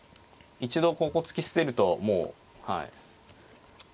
一度ここ突き捨てるともうはい。